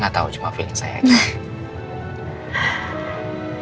gak tau cuma feeling saya aja